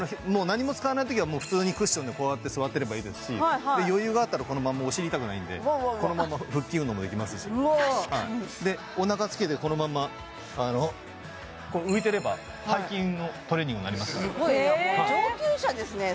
何も使わないときは普通にクッションでこうやって座ってればいいですし余裕があったらこのままお尻痛くないんでこのまま腹筋運動もできますしでおなかつけてこのまま浮いていれば背筋のトレーニングにもなりますからすごいな上級者ですね